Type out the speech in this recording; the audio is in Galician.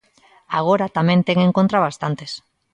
Agora tamén ten en contra a bastantes.